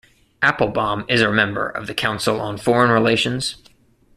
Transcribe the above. Applebaum is a member of the Council on Foreign Relations.